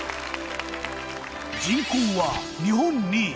人口は日本２位。